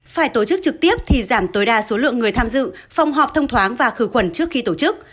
phải tổ chức trực tiếp thì giảm tối đa số lượng người tham dự phòng họp thông thoáng và khử khuẩn trước khi tổ chức